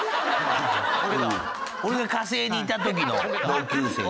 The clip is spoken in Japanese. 俺が火星にいた時の同級生。